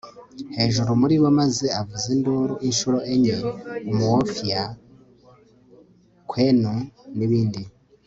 hejuru muri bo maze avuza induru inshuro enye, umuofia kwenu, n'ibindi